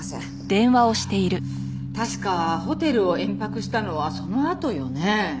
確かホテルを延泊したのはそのあとよね？